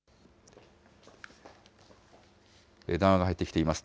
談話が入ってきています。